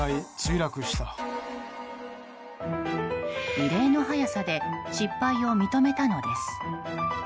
異例の早さで失敗を認めたのです。